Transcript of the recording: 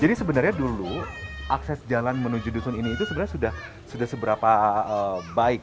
jadi sebenarnya dulu akses jalan menuju dusun ini itu sebenarnya sudah seberapa baik